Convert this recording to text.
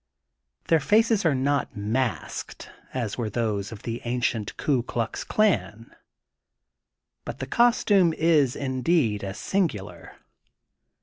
Their faces are not masked as were those of the ancient Ku Klux Klan but the costume is, indeed, as singular.